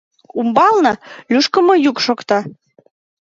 Умбалне лӱшкымӧ йӱк шокта.